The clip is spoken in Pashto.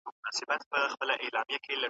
زه به خوابدی وم .